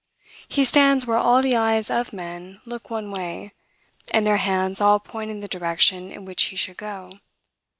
He stands where all the eyes of men look one way, and their hands all point in the direction in which he should go.